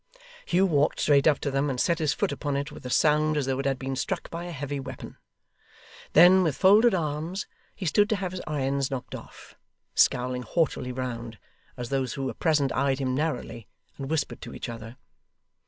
Hugh walked straight up to them, and set his foot upon it with a sound as though it had been struck by a heavy weapon. Then, with folded arms, he stood to have his irons knocked off: scowling haughtily round, as those who were present eyed him narrowly and whispered to each other.